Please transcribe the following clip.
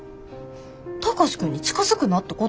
貴司君に近づくなってこと？